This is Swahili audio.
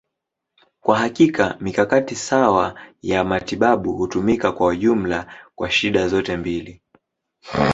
Kwa hakika, mikakati sawa ya matibabu hutumika kwa jumla kwa shida zote mbili.